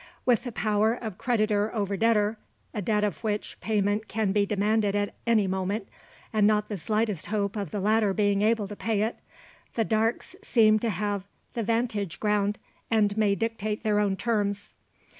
With the power of creditor over debtor a debt of which payment can be demanded at any moment, and not the slightest hope of the latter being able to pay it the Darkes seem to have the vantage ground, and may dictate their own terms.